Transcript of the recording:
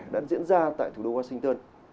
đã diễn ra tại thủ đô washington